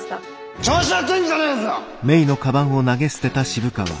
調子乗ってんじゃねえぞ！